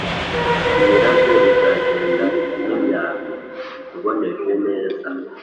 Imirabyo izagenda nk’imyambi iboneje neza,